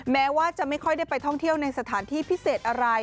แม้ว่าจะไม่ค่อยได้ไปท่องเที่ยวในสถานที่พิเศษอะไร